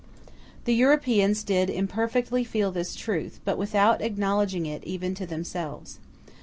The Europeans did imperfectly feel this truth, but without acknowledging it even to themselves.